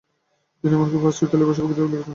তিনি এমনকি ফারসি ও ইতালীয় ভাষায় কবিতাও লিখতে পারতেন।